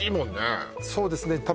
まあそうですね